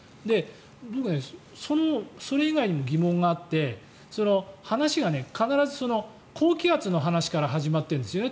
僕、それ以外にも疑問があって話が必ず高気圧の話から始まってるんですね。